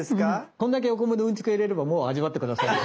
こんだけお米のうんちくを言われればもう味わって下さい。